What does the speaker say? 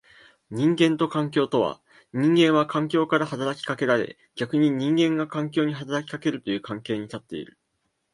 人間と環境とは、人間は環境から働きかけられ逆に人間が環境に働きかけるという関係に立っている。